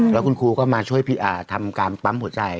แล้วคุณครูก็มาช่วยทำการปั๊มหัวใจ